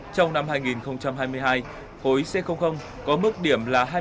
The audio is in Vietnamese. trong năm hai nghìn hai mươi hai khối c có mức điểm là hai mươi chín chín mươi năm